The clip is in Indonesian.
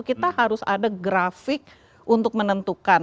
kita harus ada grafik untuk menentukan